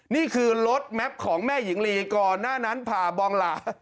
นี่คือรถแมปของแม่หญิงลีก่อนหน้านั้นผ่าบองหลา